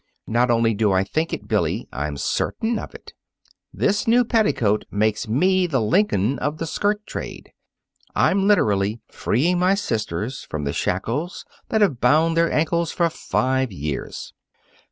"Not only do I think it, Billy; I'm certain of it. This new petticoat makes me the Lincoln of the skirt trade. I'm literally freeing my sisters from the shackles that have bound their ankles for five years."